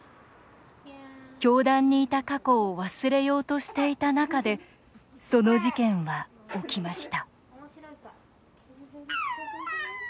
教団にいた過去を忘れようとしていた中でその事件は起きました。